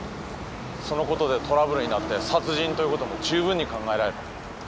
そのことでトラブルになって殺人ということもじゅうぶんに考えられる。